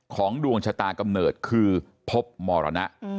ของดวงชัตริย์กำเนิดคือภพมรณะ